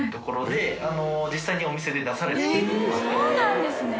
そうなんですね。